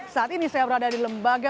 saat ini saya berada di lembaga